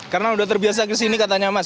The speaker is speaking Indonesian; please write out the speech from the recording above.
karena sudah terbiasa kesini katanya mas